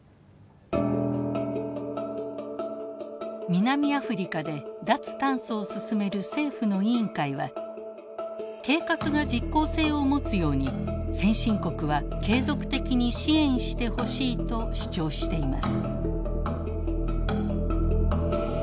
南アフリカで脱炭素を進める政府の委員会は計画が実効性を持つように先進国は継続的に支援してほしいと主張しています。